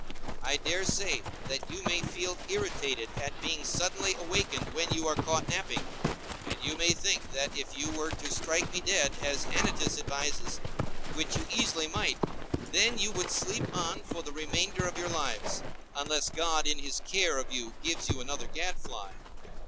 I dare say that you may feel irritated at being suddenly awakened when you are caught napping; and you may think that if you were to strike me dead, as Anytus advises, which you easily might, then you would sleep on for the remainder of your lives, unless God in his care of you gives you another gadfly.